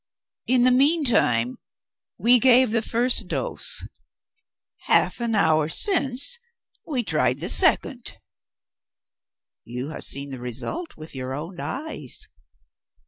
In the meantime we gave the first dose. Half an hour since we tried the second. You have seen the result with your own eyes.